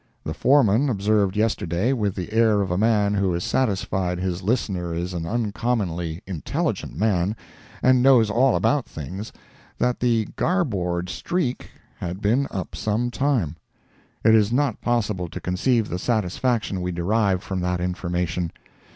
The foreman observed yesterday, with the air of a man who is satisfied his listener is an uncommonly intelligent man, and knows all about things, that the "garboard streak" had been up some time. It is not possible to conceive the satisfaction we derived from that information.